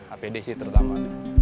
apd sih terutama